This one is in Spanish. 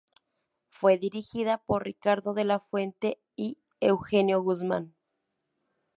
Fue dirigida por Ricardo de la Fuente y Eugenio Guzmán.